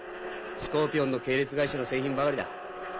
スコーピオンの系列会社の製品ばかりだ。